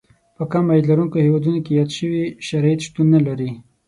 په کم عاید لرونکو هېوادونو کې یاد شوي شرایط شتون نه لري.